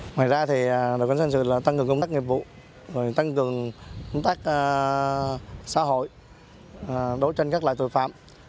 ngoài ra thì đối với xã hội tăng cường công tác nghiệp vụ tăng cường công tác xã hội đối tranh các loại tội phạm